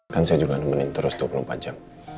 kan saya juga nemenin terus dua puluh empat jam